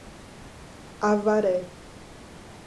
Avaré